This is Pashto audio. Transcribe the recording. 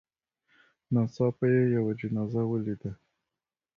ناڅاپه یې یوه جنازه ولیده.